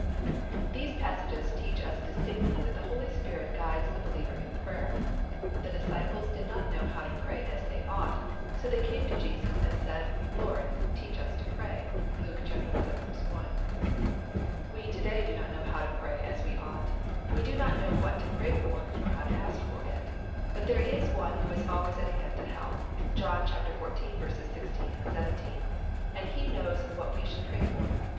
These passages teach us distinctly that the Holy Spirit guides the believer in prayer. The disciples did not know how to pray as they ought so they came to Jesus and said, "Lord, teach us to pray" (Luke xi. 1). We to day do not know how to pray as we ought—we do not know what to pray for, nor how to ask for it—but there is One who is always at hand to help (John xiv. 16, 17) and He knows what we should pray for.